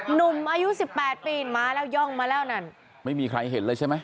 หนุ่มอายุสิบแปดปีมาแล้วย่องมาแล้วนั่นไม่มีใครเห็นเลยใช่ไหม